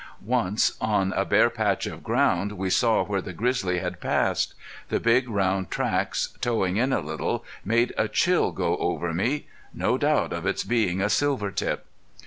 Once on a bare patch of ground we saw where the grizzly had passed. The big, round tracks, toeing in a little, made a chill go over me. No doubt of its being a silvertip!